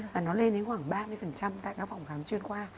và nó lên đến khoảng ba mươi tại các phòng khám chuyên khoa